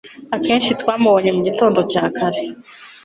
Akenshi twamubonye mugitondo cya kare